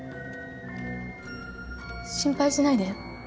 心配しないで。